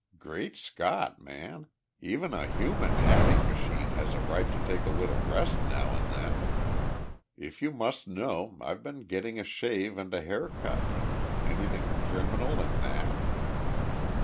"Great Scott! man, even a human adding machine has a right to take a little rest now and then. If you must know, I've been getting a shave and a haircut. Anything criminal in that?"